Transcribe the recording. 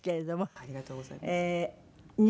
ありがとうございます。